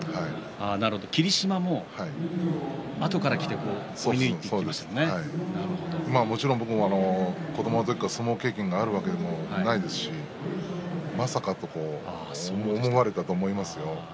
霧島も、あとからきて僕も子どものころから相撲経験があるわけでもないですしまさかと思われたと思いますよ。